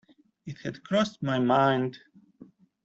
It had crossed my mind.